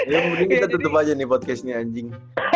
yang penting kita tutup aja nih podcastnya anjing